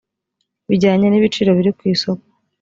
bijyanye n ibiciro biri ku isoko